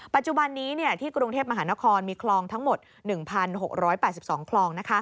ปัจจุบันนี้ที่กรุงเทพมหานครมีคลองทั้งหมด๑๖๘๒คลอง